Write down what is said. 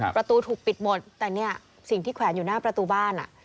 ประตูถูกปิดหมดแต่เนี่ยสิ่งที่แขวนอยู่หน้าประตูบ้าน